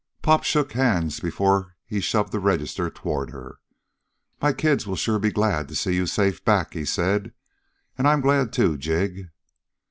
Pop shook hands before he shoved the register toward her. "My kids will sure be glad to see you safe back," he said. "And I'm glad, too, Jig."